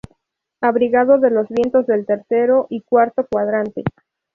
Abrigado de los vientos del tercero y cuarto cuadrante.